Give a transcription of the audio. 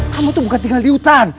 kamu tuh bukan tinggal di hutan